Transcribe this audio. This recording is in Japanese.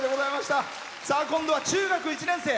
今度は中学１年生。